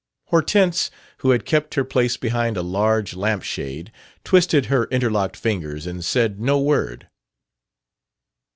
Hortense, who had kept her place behind the large lampshade, twisted her interlocked fingers and said no word.